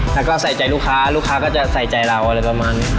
แล้วก็ใส่ใจลูกค้าลูกค้าก็จะใส่ใจเราอะไรประมาณนี้